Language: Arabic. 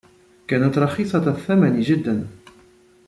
كانت رخيصة الثمن جداً.